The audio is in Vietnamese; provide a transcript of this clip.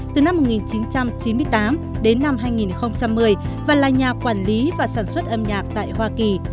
từ năm một nghìn chín trăm chín mươi tám đến năm hai nghìn một mươi và là nhà quản lý và sản xuất âm nhạc tại hoa kỳ